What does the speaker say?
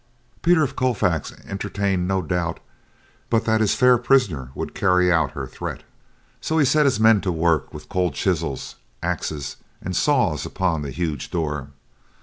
Peter of Colfax entertained no doubt but that his fair prisoner would carry out her threat and so he set his men to work with cold chisels, axes and saws upon the huge door.